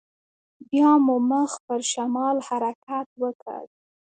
بيا مو مخ پر شمال حرکت وکړ.